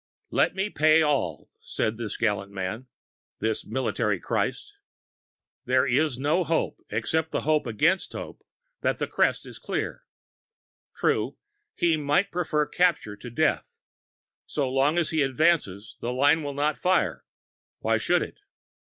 "Let me pay all," says this gallant man this military Christ! There is no hope except the hope against hope that the crest is clear. True, he might prefer capture to death. So long as he advances, the line will not fire, why should it?